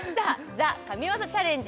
「ＴＨＥ神業チャレンジ」